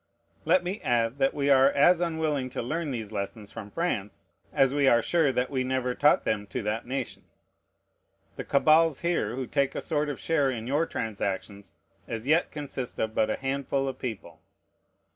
Let me add, that we are as unwilling to learn these lessons from France as we are sure that we never taught them to that nation. The cabals here who take a sort of share in your transactions as yet consist of but a handful of people.